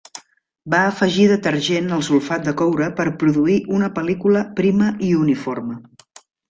Va afegir detergent al sulfat de coure per produir una pel·lícula prima i uniforme.